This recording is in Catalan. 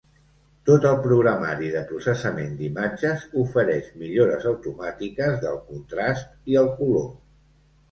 Tot el programari de processament d'imatges ofereix millores automàtiques del contrast i el color.